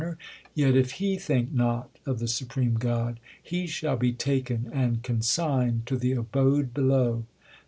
LIFE OF GURU ARJAN 97 Yet if he think not of the supreme God, he shall be taken and consigned to the abode below.